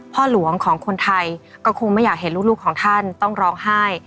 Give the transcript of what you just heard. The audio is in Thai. พ่อหลวงของคนไทยก็คงไม่อยากเห็นลูกของท่านต้องร้องไห้